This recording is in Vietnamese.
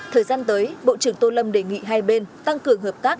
thời gian tới bộ trưởng tô lâm đề nghị hai bên tăng cường hợp tác